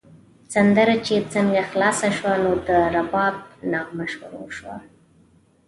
سندره چې څنګه خلاصه شوه، نو د رباب نغمه شروع شوه.